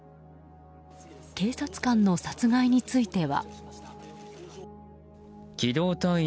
警察官の殺害については。